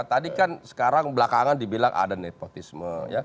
tadi kan sekarang belakangan dibilang ada nepotisme